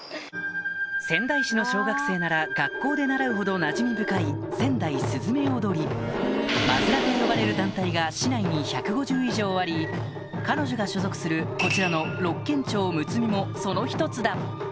仙台市の小学生なら学校で習うほどなじみ深い祭連と呼ばれる団体が市内に１５０以上あり彼女が所属するこちらのもその１つだ